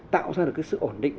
tạo ra được sự ổn định